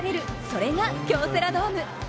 それが京セラドーム！